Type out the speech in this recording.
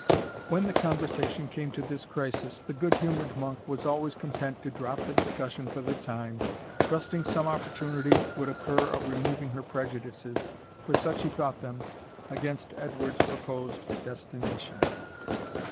When the conversation came to this crisis, the good humoured monk was always content to drop the discussion for the time, trusting some opportunity would occur of removing her prejudices, for such he thought them, against Edward's proposed destination.